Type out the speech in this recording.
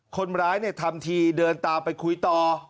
คนร้ายทำทีเดินตามไปคุยต่อ